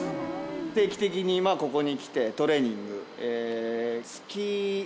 定期的にここに来てトレーニング。